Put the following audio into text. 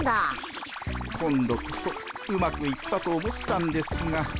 今度こそうまくいったと思ったんですが。